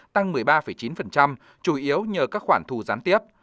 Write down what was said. tăng một mươi ba chín chủ yếu nhờ các khoản thu gián tiếp